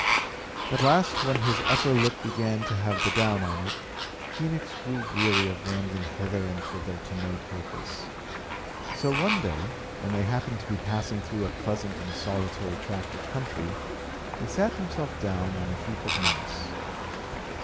At last, when his upper lip began to have the down on it, Phœnix grew weary of rambling hither and thither to no purpose. So, one day, when they happened to be passing through a pleasant and solitary tract of country, he sat himself down on a heap of moss.